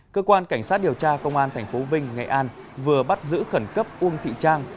cơ quan cảnh sát điều tra công an tp vinh nghệ an vừa bắt giữ khẩn cấp uông thị trang